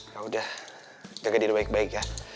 yaudah jaga diri baik baik ya